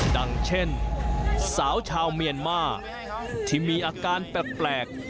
ดังเช่นสาวชาวเมียนมาที่มีอาการแปลก